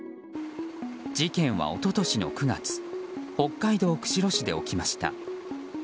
事件は一昨年の９月北海道釧路市で起きました。